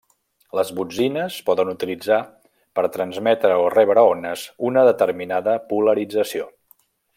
Les botzines poden utilitzar per transmetre o rebre ones una determinada polarització.